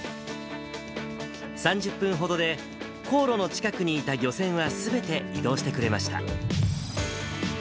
３０分ほどで、航路の近くにいた漁船はすべて移動してくれました。